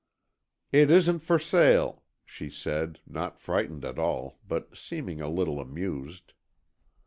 "It isn't for sale," she said, not frightened at all, but seeming a little amused.